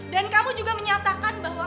dan kamu juga menyatakan bahwa